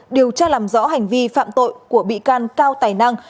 điều tra làm rõ hành vi phạm tội của bị can cao tài năng